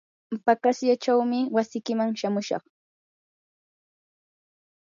paqasyaychawmi wasikiman shamushaq.